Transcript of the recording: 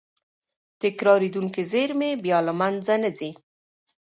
تکرارېدونکې زېرمې بیا له منځه نه ځي.